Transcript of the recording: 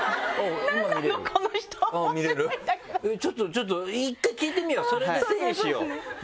ちょっと一回聴いてみようそれで整理しよう。